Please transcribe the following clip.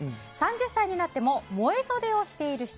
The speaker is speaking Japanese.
３０歳になっても萌え袖をしている人。